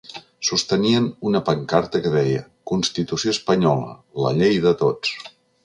Sostenien una pancarta que deia: Constitució espanyola: la llei de tots.